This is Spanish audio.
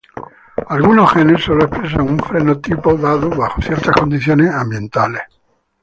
Algunos genes solo expresan un fenotipo dado bajo ciertas condiciones ambientales.